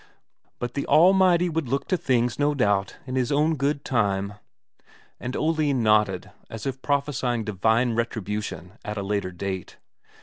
But the Almighty would look to things, no doubt, in His own good time! And Oline nodded, as if prophesying divine retribution at a later date.